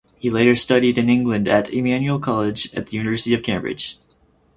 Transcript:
He later studied in England at Emmanuel College at the University of Cambridge.